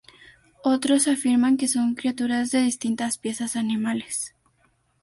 Otros afirman que son criaturas de distintas piezas animales.